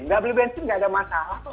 enggak beli bensin enggak ada masalah kok